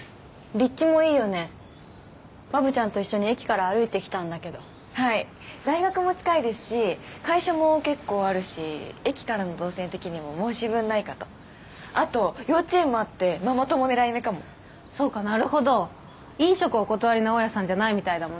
立地もいいよねわぶちゃんと一緒に駅から歩いてきたんだけどはい大学も近いですし会社も結構あるし駅からの動線的にも申し分ないかとあと幼稚園もあってママ友狙い目かもそうかなるほど飲食お断りな大家さんじゃないみたいだもんね